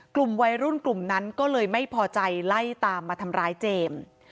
กลุ่มวัยรุ่นกลุ่มนั้นก็เลยไม่พอใจไล่ตามมาทำร้ายเจมส์